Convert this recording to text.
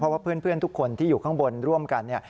เพราะว่าเพื่อนทุกคนที่อยู่ข้างบนร่วมกัน